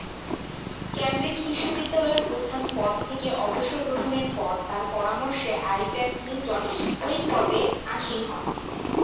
Cambridge বিশ্ববিদ্যালয়ের প্রধান পদ থেকে অবসর গ্রহণের পর তার পরামর্শে আইজাক নিউটন ঐ পদে আসীন হন।